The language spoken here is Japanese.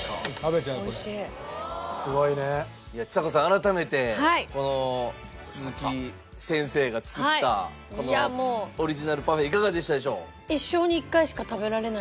改めて鈴木先生が作ったこのオリジナルパフェいかがでしたでしょう？